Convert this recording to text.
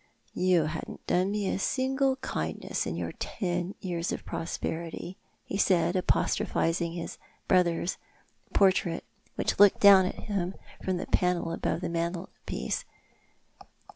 " You hadn't done me a single kindness in your ten years of I^rosperity,'' he said, apostrophising his brother's portrait, which looked down at him from the panel above the mantelpiece.